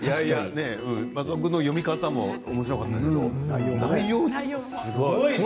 松尾君の読み方もおもしろかったけれども内容が。